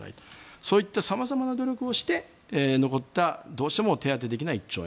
そういった様々な改革をして残ったどうしても手当てできない１兆円